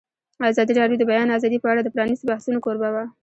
ازادي راډیو د د بیان آزادي په اړه د پرانیستو بحثونو کوربه وه.